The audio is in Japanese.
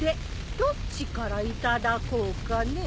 どっちからいただこうかねぇ。